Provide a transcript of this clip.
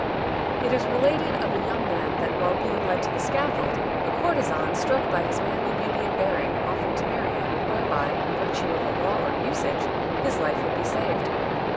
It is related of a young man that, while being led to the scaffold, a courtesan, struck by his manly beauty and bearing, offered to marry him, whereby, in virtue of a law or usage, his life would be saved.